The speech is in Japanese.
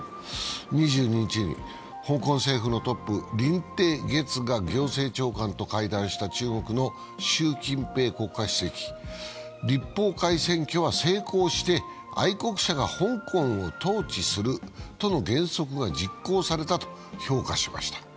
２２日、香港政府のトップ、林鄭月娥行政長官と会談した中国の習近平国家主席。立法会選挙は成功して、愛国者が香港を統治するとの原則が実行されたと評価しました。